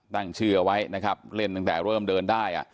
ตั้งชื่อเอาไว้นะครับเล่นตั้งแต่เริ่มเดินได้